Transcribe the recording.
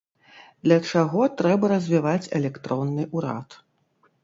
Для чаго трэба развіваць электронны ўрад.